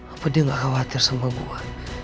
apa dia gak khawatir sama gue